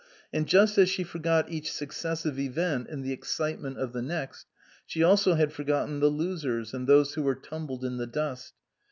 And just as she forgot each successive event in the excitement of the next, she also had forgotten the losers and those who were tumbled in the dust.